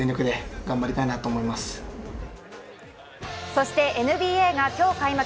そしてＮＢＡが今日開幕。